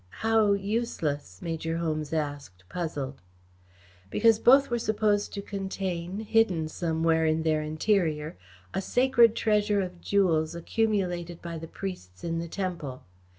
"How, useless?" Major Holmes asked, puzzled. "Because both were supposed to contain, hidden somewhere in their interior, a sacred treasure of jewels accumulated by the priests in the temple.